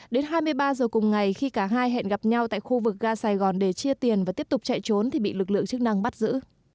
đến hai mươi ba giờ cùng ngày khi cả hai hẹn gặp nhau tại khu vực ga sài gòn để chia tiền và tiếp tục chạy trốn thì bị lực lượng chức năng bắt giữ